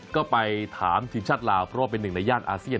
ก็ไปถามทีมชาติลาวเพราะว่าเป็นหนึ่งในย่านอาเซียน